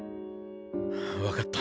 分かった。